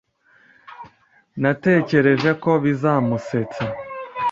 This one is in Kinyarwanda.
Natekereje ko bizamusetsa.